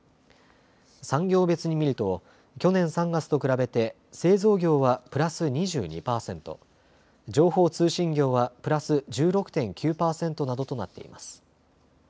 産業別に見ると去年３月と比べて製造業はプラス２２％、情報通信業はプラス１６．９％などとなっています。